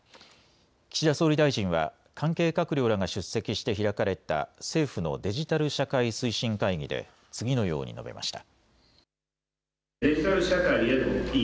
岸田総理大臣は関係閣僚らが出席して開かれた政府のデジタル社会推進会議で次のように述べました。